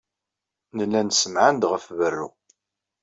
Nella nessemɛan-d ɣef berru.